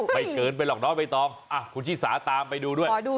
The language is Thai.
ไปเกินไปหรอกเนอะไว้ตองอ่ะคุณชี่สาตามไปดูด้วยถอดู